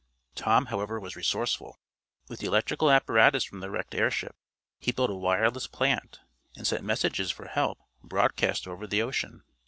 Tom, however, was resourceful. With the electrical apparatus from the wrecked airship, he built a wireless plant, and sent messages for help, broadcast over the ocean.